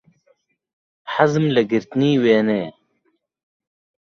حەزم لە گرتنی وێنەیە.